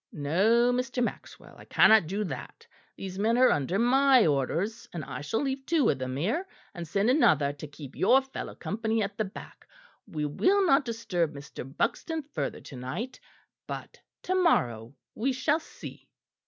"No, Mr. Maxwell, I cannot do that. These men are under my orders, and I shall leave two of them here and send another to keep your fellow company at the back, We will not disturb Mr. Buxton further to night; but to morrow we shall see."